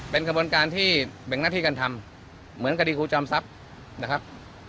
เป็นกระบวนการที่แบ่งหน้าที่การทำเหมือนคดีครูจอมทรัพย์นะครับ